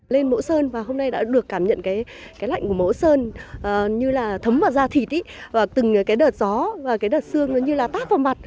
lên mẫu sơn và hôm nay đã được cảm nhận cái lạnh của mẫu sơn như là thấm vào da thịt vào từng cái đợt gió và cái đợt sương nó như là tác vào mặt